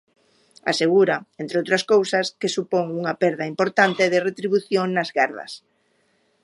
Asegura, entre outras cousas, que supón unha perda importante de retribución nas gardas.